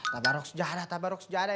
tabarok sejarah tabarok sejarah